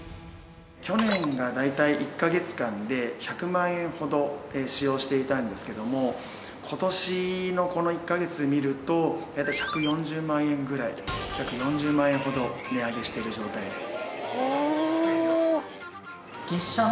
去年が大体１カ月間で１００万円ほど使用していたんですけども今年のこの１カ月を見ると大体１４０万円ぐらい約４０万円ほど値上げしている状態です。